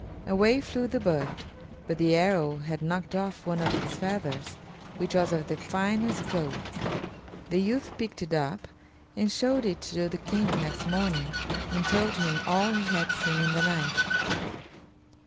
Away flew the bird, but the arrow had knocked off one of its feathers, which was of the finest gold. The youth picked it up and showed it to the King next morning, and told him all he had seen in the night.